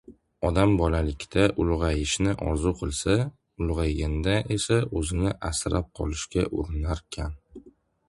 Odam bolalikda ulg‘ayishni orzu qilsa, ulg‘ayganda esa o‘zni asrab qolishga urinarkan.